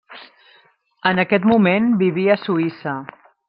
En aquest moment vivia a Suïssa.